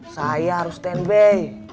saya harus stand by